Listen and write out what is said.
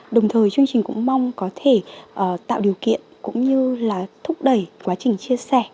đồng thời chương trình cũng mong có thể tạo điều kiện cũng như là thúc đẩy quá trình chia sẻ